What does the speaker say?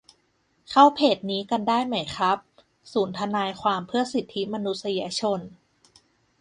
เข้าเพจนี้กันได้ไหมครับ ศูนย์ทนายความเพื่อสิทธิมนุษยชน